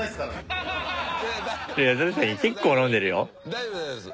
大丈夫大丈夫です。